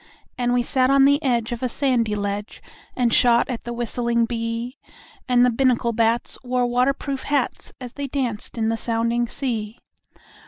And we sat on the edge of a sandy ledge And shot at the whistling bee; And the Binnacle bats wore water proof hats As they danced in the sounding sea.